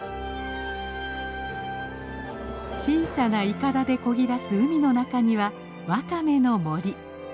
小さないかだでこぎ出す海の中にはワカメの森。